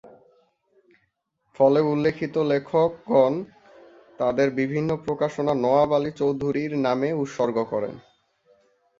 ফলে উল্লেখিত লেখকগণ তাদের বিভিন্ন প্রকাশনা নওয়াব আলী চৌধুরীর নামে উৎসর্গ করেন।